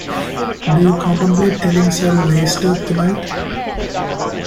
Do you contemplate telling Sir Leicester tonight?